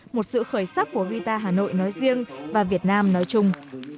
một sự khởi sắc của guitar hà nội nói riêng và việt nam nói chung